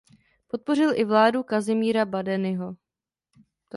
Podpořil i vládu Kazimíra Badeniho.